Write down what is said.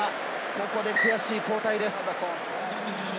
ここで悔しい交代です。